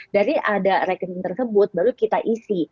dari ada rekening tersebut baru kita isi